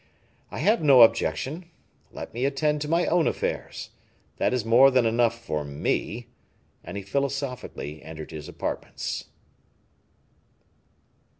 I have no objection; let me attend to my own affairs, that is more than enough for me," and he philosophically entered his apartments.